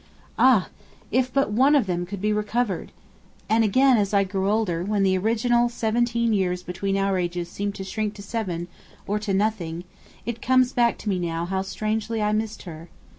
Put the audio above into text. Ah! if but one of them could be recovered! And again, as I grew older, when the original seventeen years between our ages seemed to shrink to seven, or to nothing, it comes back to me now how strangely I missed her.